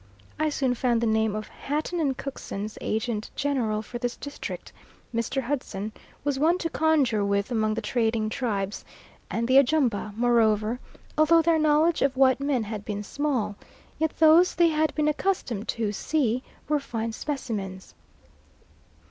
I soon found the name of Hatton and Cookson's agent general for this district, Mr. Hudson, was one to conjure with among the trading tribes; and the Ajumba, moreover, although their knowledge of white men had been small, yet those they had been accustomed to see were fine specimens.